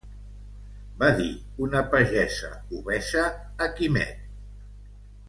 —va dir una pagesa obesa a Quimet